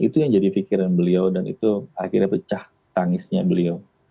itu yang jadi pikiran beliau dan itu akhirnya pecah tangisnya beliau